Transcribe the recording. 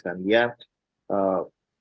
dan dia hanya sebegitu